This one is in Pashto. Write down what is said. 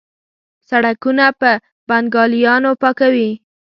سړکونه په بنګالیانو پاکوي.